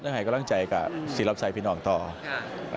อายก็หลังใจกับศิลปศิลป์ไทยผู้ชายโดยนอกจากต่อ